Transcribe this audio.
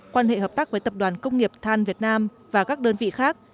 quan hệ hợp tác với tập đoàn công nghiệp than việt nam và các đơn vị khác